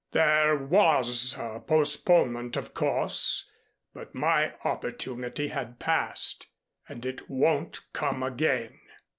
There was a postponement, of course, but my opportunity had passed and it won't come again."